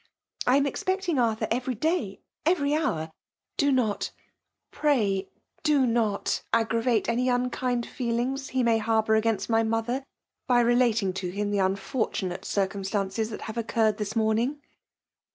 I am expecting Arthur every day, every hovr« Do not, pray do not, aggravate any unload feelings he may harbour against my mother* bj relating to him the unfortunate circum* stances that have occurred this morning